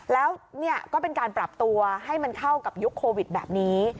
แล้วก็เป็นการปรับตัวให้มันเข้ากับยุคโควิดแบบนี้